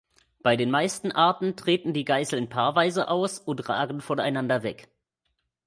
Bei den meisten Arten treten die Geißeln paarweise aus und ragen voneinander weg.